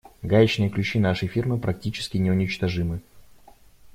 Гаечные ключи нашей фирмы практически неуничтожимы.